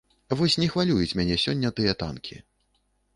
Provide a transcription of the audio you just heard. Вось не хвалююць мяне сёння тыя танкі.